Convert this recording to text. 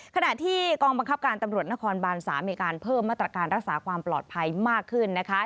ขณะที่กองบังคับการตำรวจนครบาน๓มีการเพิ่มมาตรการรักษาความปลอดภัยมากขึ้นนะคะ